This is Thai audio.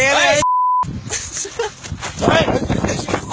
เย้นั่นแล้วเสเลย